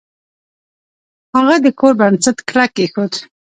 هغه د کور بنسټ کلک کیښود.